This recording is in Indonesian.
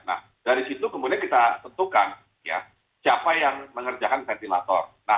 nah dari situ kemudian kita tentukan siapa yang mengerjakan ventilator